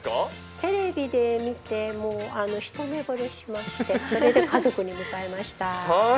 テレビで見て、一目ぼれしましてそれで家族に迎えました。